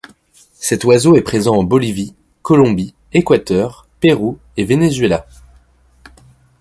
Cet oiseau est présent en Bolivie, Colombie, Équateur, Pérou et Venezuela.